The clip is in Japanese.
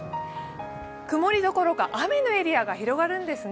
くもりどころか雨のエリアが広がるんですね。